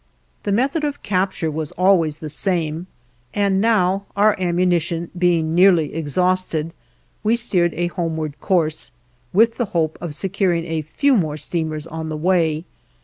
The method of capture was always the same, and now, our ammunition being nearly exhausted, we steered a homeward course, with the hope of securing a few more steamers on the way.